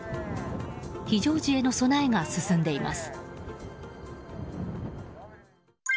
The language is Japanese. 非常時への備えが進んでいます。